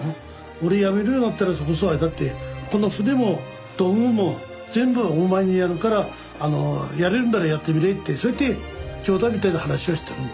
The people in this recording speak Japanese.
俺辞めるようなったらそれこそあれだってこの船も道具も全部お前にやるからやれるんだらやってみれってそうやって冗談みたいな話はしてるの。